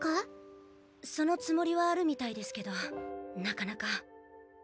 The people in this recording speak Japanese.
そのつもりはあるみたいですけどなかなか。